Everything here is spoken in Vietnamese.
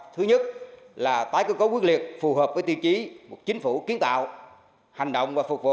thứ nhất là tái cơ cấu quyết liệt phù hợp với tiêu chí một chính phủ kiến tạo hành động và phục vụ